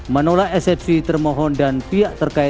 menolak eksepsi termohon dan pihak terkait